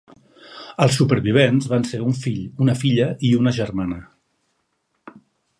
Els supervivents van ser un fill, una filla i una germana.